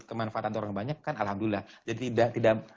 kemanfaatan orang banyak kan alhamdulillah jadi tidak